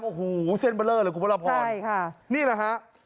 โอ้โหเส้นเบลอเลยกุปรพรใช่ค่ะนี่แหละฮะ